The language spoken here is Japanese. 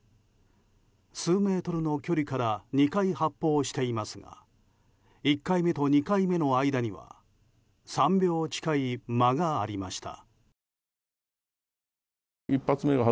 数メートルの距離から２回発砲していますが１回目と２回目の間には３秒近い間がありました。